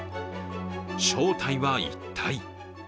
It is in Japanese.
正体は一体？